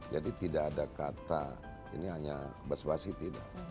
jadi tidak ada kata ini hanya kebas kebasan tidak